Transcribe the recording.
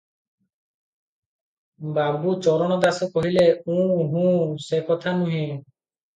ବାବୁ ଚରଣ ଦାସ କହିଲେ-ଉଁ-ହୁଁ, ସେ କଥା ନୁହେ ।